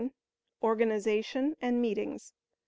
Organization and Meetings.